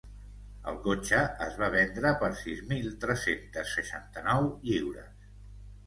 El cotxe es va vendre per sis mil tres-centes seixanta-nou lliures.